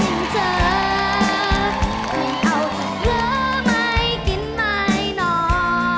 ไม่เอาเหลือไม่กินไม่นอน